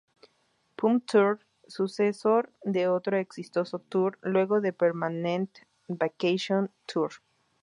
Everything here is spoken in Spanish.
Pump Tour, sucesor de otro exitoso tour, luego del Permanent Vacation Tour.